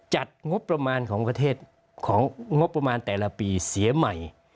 จัดงบประมาณของประเทศของงบประมาณแต่ละปีเสียใหม่